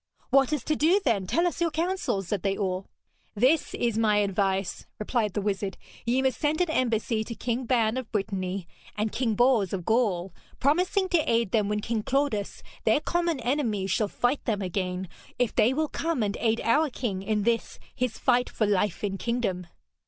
'What is to do, then? Tell us your counsel,' said they all. 'This is my advice,' replied the wizard. 'Ye must send an embassy to King Ban of Brittany and King Bors of Gaul, promising to aid them when King Claudas, their common enemy, shall fight them again, if they will come and aid our king in this his fight for life and kingdom.'